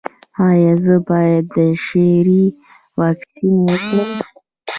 ایا زه باید د شري واکسین وکړم؟